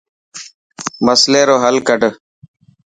مصلي رو هل ڪڌ.